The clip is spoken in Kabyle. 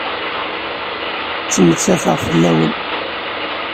Ttmettateɣ fell-awen.